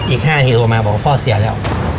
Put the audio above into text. อีก๕ทีโอมาบอกว่าพ่อเสียแล้ว